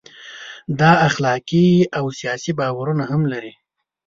دا اخلاقي او سیاسي باورونه هم لري.